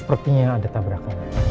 lu sim nembak